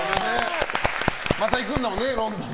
また行くんだもんね、ロンドン。